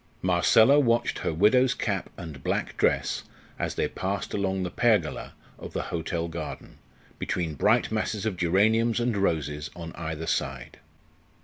Marcella watched her widow's cap and black dress as they passed along the pergola of the hotel garden, between bright masses of geraniums and roses on either side.